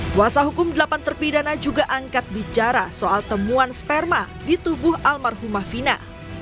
kuasa hukum delapan terpidana juga angkat bicara soal temuan sperma di tubuh almarhumah fina